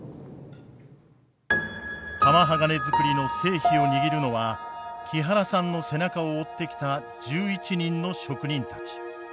玉鋼づくりの成否を握るのは木原さんの背中を追ってきた１１人の職人たち。